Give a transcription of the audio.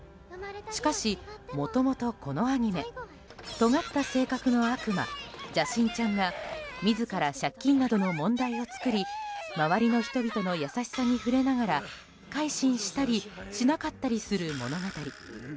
しかし、もともとこのアニメとがった性格の悪魔邪神ちゃんが自ら借金などの問題を作り周りの人々の優しさに触れながら改心したりしなかったりする物語。